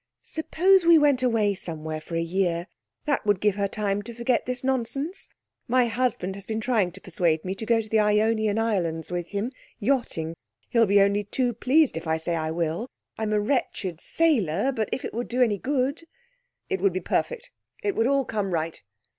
'Suppose we went away somewhere for a year? That would give her time to forget this nonsense. My husband has been trying to persuade me to go to the Ionian Islands with him yachting. He'll be only too pleased if I say I will. I'm a wretched sailor, but if it would do any good ' 'It would be perfect. It would all come right.'